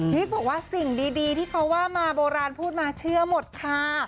บอกว่าสิ่งดีที่เขาว่ามาโบราณพูดมาเชื่อหมดค่ะ